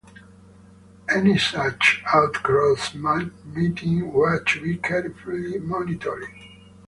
Any such outcross matings were to be carefully monitored.